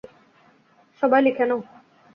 সবাই লিখে নাও।